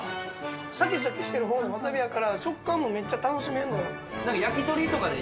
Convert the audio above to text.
シャキシャキしてる方のわさびやから食感もめっちゃ楽しめるのよ。